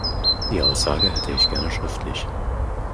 Die Aussage hätte ich gerne schriftlich.